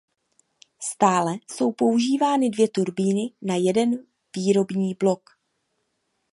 Stále jsou používány dvě turbíny na jeden výrobní blok.